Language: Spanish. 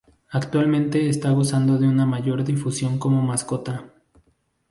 Actualmente está gozando de una mayor difusión como mascota.